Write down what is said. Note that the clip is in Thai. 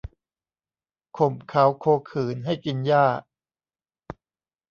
ข่มเขาโคขืนให้กินหญ้า